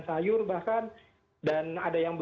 sayur bahkan dan ada yang